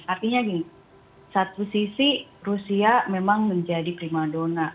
artinya satu sisi rusia memang menjadi primadona